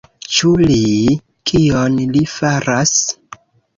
Ĉu li... kion li faras?